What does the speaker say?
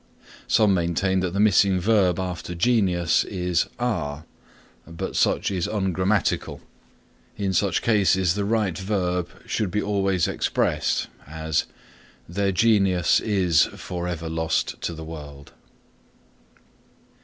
(Some maintain that the missing verb after genius is are, but such is ungrammatical. In such cases the right verb should be always expressed: as their genius is forever lost to the world.)